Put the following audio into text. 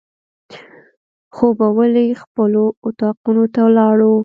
خوبولي خپلو اطاقونو ته ولاړو.